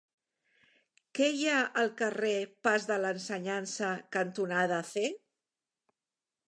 Què hi ha al carrer Pas de l'Ensenyança cantonada C?